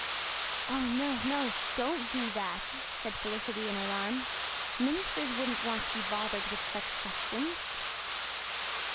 "Oh, no, no, don't do that," said Felicity in alarm. "Ministers wouldn't want to be bothered with such questions."